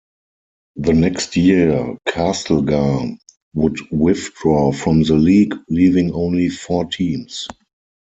The next year, Castlegar would withdraw from the league, leaving only four teams.